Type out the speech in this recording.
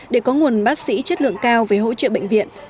để có nguồn bác sĩ chất lượng cao về hỗ trợ bệnh viện